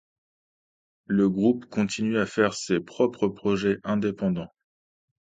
Le group continue à faire ses propres projets indépendants.